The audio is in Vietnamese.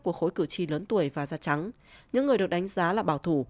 của khối cử tri lớn tuổi và da trắng những người được đánh giá là bảo thủ